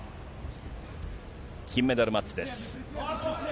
金メダルマッチです。